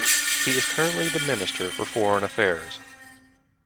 He is currently the Minister for Foreign Affairs.